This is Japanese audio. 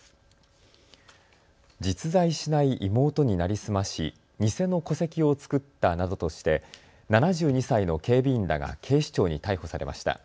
実在しない妹に成り済まし偽の戸籍を作ったなどとして７２歳の警備員らが警視庁に逮捕されました。